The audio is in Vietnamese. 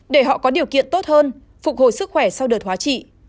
để họ có điều kiện tốt hơn phục hồi sức khỏe sau đợt hóa trị